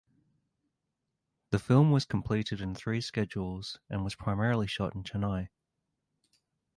The film was completed in three schedules and was primarily shot in Chennai.